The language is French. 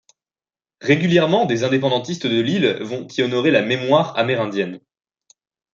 Régulièrement des indépendantistes de l'île vont y honorer la mémoire amérindienne.